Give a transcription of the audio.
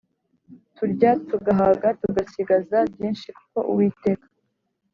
turya tugahaga tugasigaza byinshi kuko Uwiteka